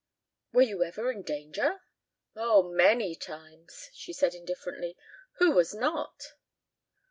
"Were you ever in danger?" "Oh, many times," she said indifferently. "Who was not?"